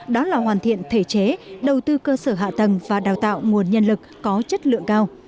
đó là hoàn thiện thể chế đầu tư cơ sở hạ tầng và đào tạo nguồn nhân lực có chất lượng cao